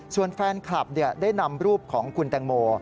ส่วนแฟนคลับได้นำรูปของคุณแตงโม